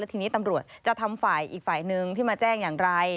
แล้วทีนี้ตำรวจจะทำไฟล์อีกไฟล์หนึ่งที่มาแจ้งอย่างไร